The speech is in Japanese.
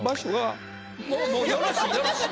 もうもうよろしいよろしい。